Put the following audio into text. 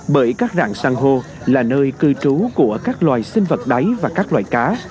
bởi các rạng sang hô là nơi cư trú của các loài sinh vật đáy và các loài cá